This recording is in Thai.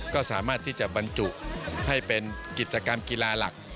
ก็สามารถที่จะบรรจุให้เป็นกิจกรรมกีฬาหลัก